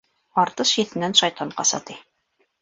Артыш еҫенән шайтан ҡаса, ти.